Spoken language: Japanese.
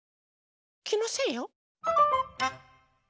きのせいよ！